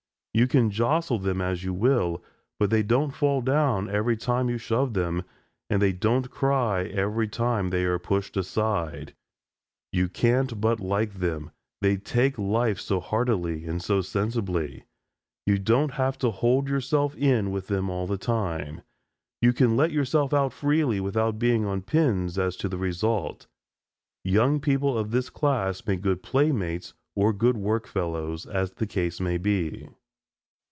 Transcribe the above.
You can jostle them as you will, but they don't fall down every time you shove them, and they don't cry every time they are pushed aside. You can't but like them, they take life so heartily and so sensibly. You don't have to hold yourself in with them all the time. You can let yourself out freely without being on pins as to the result. Young people of this class make good playmates or good work fellows, as the case may be.